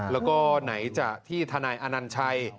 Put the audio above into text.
และในนายที่ธนัยอานันชัย